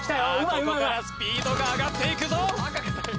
ここからスピードが上がっていくぞ！